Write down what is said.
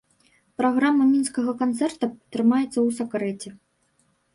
Праграма мінскага канцэрта трымаецца ў сакрэце.